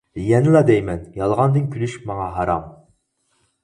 يەنىلا دەيمەن يالغاندىن كۈلۈش ماڭا ھارام.